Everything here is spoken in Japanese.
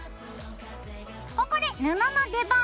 ここで布の出番。